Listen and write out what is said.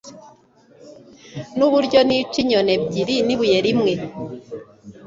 Nuburyo nica inyoni ebyiri nibuye rimwe